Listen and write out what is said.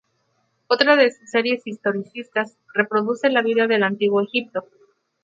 Otra de sus series historicistas reproduce la vida del antiguo Egipto.